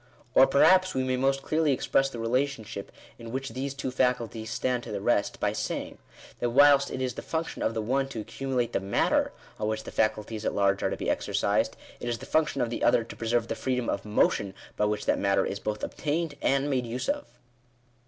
Or perhaps we may most clearly express the relationship in which these two faculties stand to the rest, by saying, that whilst it is the function of the one to accumulate the matter on which the faculties at large are to be exercised, it is the function of the other to preserve the freedom of motion by which that matter is both obtained and made use of.